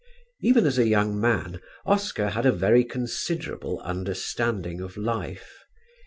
Even as a young man Oscar had a very considerable understanding of life.